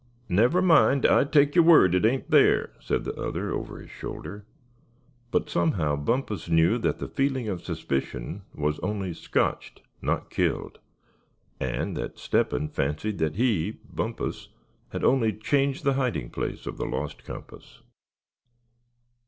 "Never mind, I take your word it ain't there," said the other, over his shoulder; but somehow Bumpus knew that the feeling of suspicion was only "scotched," not killed; and that Step hen fancied that he, Bumpus, had only changed the hiding place of the lost compass.